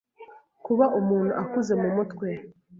Kuba umuntu akuze mu mutwe